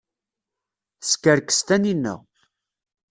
Teskerkes Taninna.